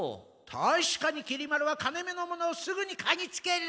たしかにきり丸は金めの物をすぐにかぎつける！